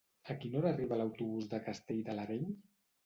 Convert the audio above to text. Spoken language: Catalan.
A quina hora arriba l'autobús de Castell de l'Areny?